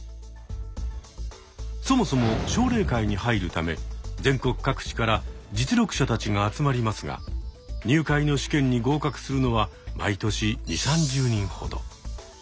そもそも奨励会に入るため全国各地から実力者たちが集まりますが入会の試験に合格するのは毎年２０３０人ほど。